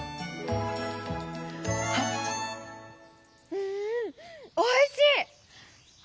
「うんおいしい！」。